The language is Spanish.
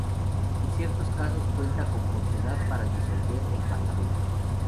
En ciertos casos cuenta con potestad para disolver el Parlamento.